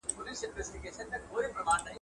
مسواک وهل د غاښونو د مضبوطیا سبب ګرځي.